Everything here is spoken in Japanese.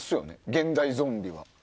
現代ゾンビは。